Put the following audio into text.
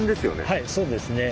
はいそうですね。